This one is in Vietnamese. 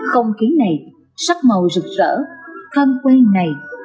không ký này sắc màu rực rỡ thân quê này